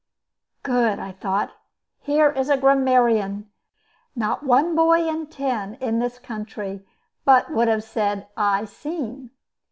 "Good!" I thought. "Here is a grammarian. Not one boy in ten in this country but would have said 'I seen.'"